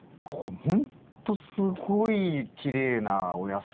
ほんとすごいきれいなお野菜。